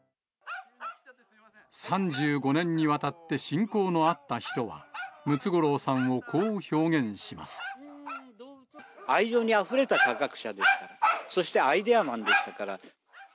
３５年にわたって親交のあった人は、愛情にあふれた科学者ですから、そしてアイデアマンでしたから。